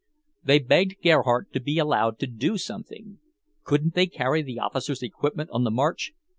They begged Gerhardt to be allowed to do something. Couldn't they carry the officers' equipment on the march?